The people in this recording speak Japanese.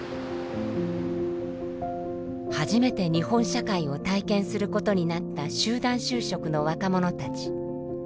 初めて日本社会を体験することになった集団就職の若者たち。